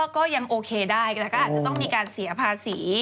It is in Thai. ก็ยังโอเคได้แต่ก็อาจจะต้องมีการเสียภาษี